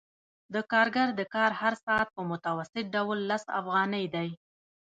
د کارګر د کار هر ساعت په متوسط ډول لس افغانۍ دی